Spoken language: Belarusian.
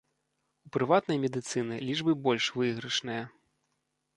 У прыватнай медыцыны лічбы больш выйгрышныя.